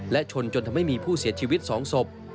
และชนจนทำให้มีผู้เสียชีวิต๒ศพ